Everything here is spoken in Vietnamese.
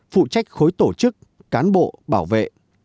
phụ trách khối tổ chức cán bộ bảo vệ